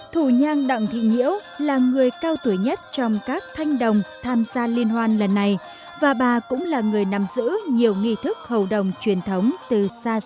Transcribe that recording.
thù nhang đặng thị nhĩu là người cao tuổi nhất trong các thanh đồng tham gia liên hoàn lần này và bà cũng là người nằm giữ nhiều nghị thức hậu đồng truyền thống từ xa xưa để lại